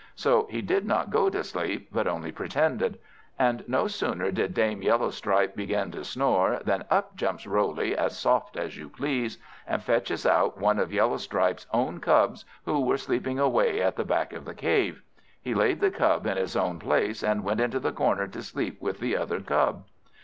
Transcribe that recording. So he did not go to sleep, but only pretended; and no sooner did Dame Yellowstripe begin to snore, than up jumps Roley, as soft as you please, and fetches out one of Yellowstripe's own cubs, who were sleeping away at the back of the cave. He laid the cub in his own place, and went into the corner to sleep with the other cub.